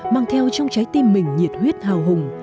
mang theo trong trái tim mình nhiệt huyết hào hùng